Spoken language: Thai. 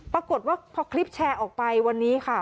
ปรากฏว่าพอคลิปแชร์ออกไปวันนี้ค่ะ